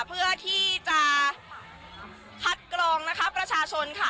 เพื่อที่จะคัดกรองนะคะประชาชนค่ะ